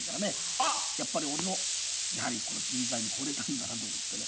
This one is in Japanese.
あっやっぱり俺のやはり人材にほれたんだなと思ってね